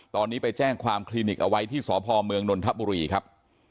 ตอนนี้ไปแจ้งความคลินิกเอาไว้ที่สพเมืองนนทบุรีครับ